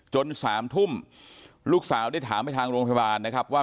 สามทุ่มลูกสาวได้ถามไปทางโรงพยาบาลนะครับว่า